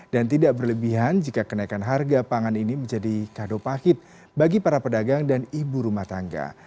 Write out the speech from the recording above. dan tidak berlebihan jika kenaikan harga pangan ini menjadi kado pahit bagi para pedagang dan ibu rumah tangga